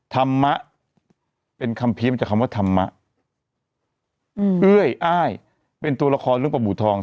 ธรรมะเป็นคำพิษมันจะคำว่าธรรมะเอ้ยอ้ายเป็นตัวละครเรื่องประหมู่ทอง